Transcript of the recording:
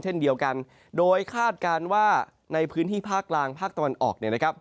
เช่นเดียวกันโดยคาดการณ์ว่าในพื้นที่ภาคกลางภาคตะวันออกเนี่ยนะครับ